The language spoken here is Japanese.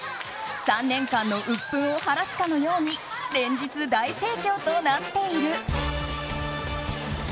３年間のうっぷんを晴らすかのように連日、大盛況となっている。